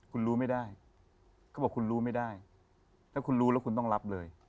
คุณรู้ไม่ได้เขาบอกคุณรู้ไม่ได้ถ้าคุณรู้แล้วคุณต้องรับเลย